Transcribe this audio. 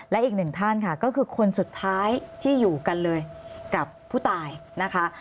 และอีกหนึ่งท่านค่ะก็คือคนสุดท้ายที่อยู่กันเลยกับผู้ตายนะคะ